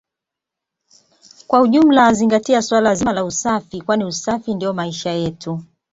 Kwa ujumla zingatia suala zima la usafi kwani usafi ndio maisha yetu